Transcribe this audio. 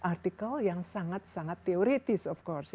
nah artikel yang sangat sangat teoretis of course ya